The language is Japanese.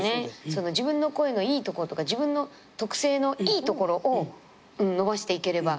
自分の声のいいところとか自分の特性のいいところを伸ばしていければ。